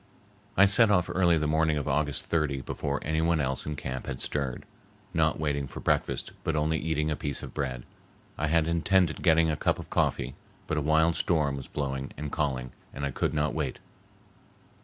I set off early the morning of August 30 before any one else in camp had stirred, not waiting for breakfast, but only eating a piece of bread. I had intended getting a cup of coffee, but a wild storm was blowing and calling, and I could not wait.